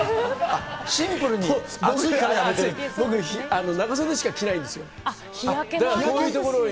シンプルに、暑いからやめて僕、長袖しか着ないんですよ。